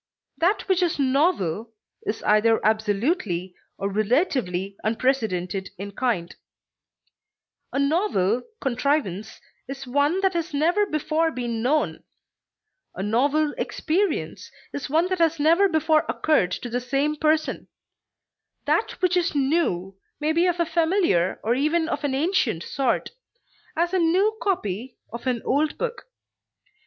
That which is novel is either absolutely or relatively unprecedented in kind; a novel contrivance is one that has never before been known; a novel experience is one that has never before occurred to the same person; that which is new may be of a familiar or even of an ancient sort, as a new copy of an old book.